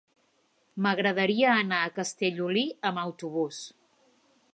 M'agradaria anar a Castellolí amb autobús.